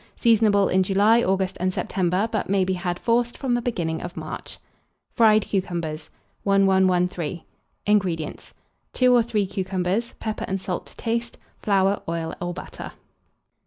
Seasonable in July, August, and September; but may be had, forced, from the beginning of March. FRIED CUCUMBERS. 1113. INGREDIENTS. 2 or 3 cucumbers, pepper and salt to taste, flour, oil or butter.